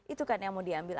itu kan yang mau diambil